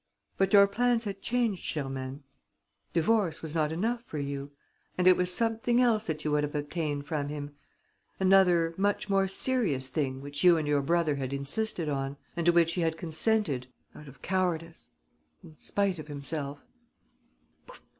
But your plans had changed, Germaine; divorce was not enough for you; and it was something else that you would have obtained from him, another, much more serious thing which you and your brother had insisted on ... and to which he had consented ... out of cowardice ... in spite of himself...."